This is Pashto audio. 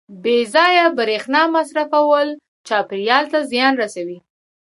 • بې ځایه برېښنا مصرفول چاپېریال ته زیان رسوي.